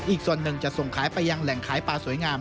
อีกส่วนหนึ่งจะส่งขายไปยังแหล่งขายปลาสวยงาม